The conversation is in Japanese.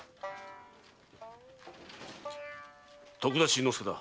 徳田新之助だ。